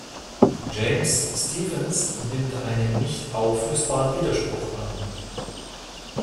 James Stephens nimmt einen nicht auflösbaren Widerspruch an.